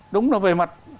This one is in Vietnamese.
đúng là về mặt